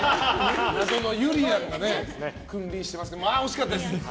ゆりやんが君臨してますけど惜しかったです。